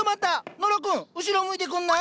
野呂君後ろ向いてくんない？